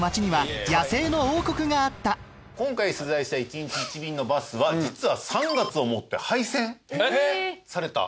今回取材した１日１便のバスは実は３月をもって廃線された。